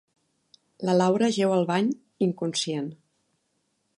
La Laura jeu al bany, inconscient.